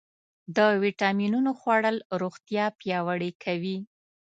د ویټامینونو خوړل روغتیا پیاوړې کوي.